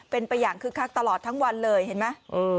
เป็นไปอย่างคึกคักตลอดทั้งวันเลยเห็นไหม